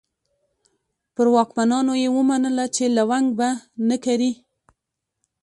پر واکمنانو یې ومنله چې لونګ به نه کري.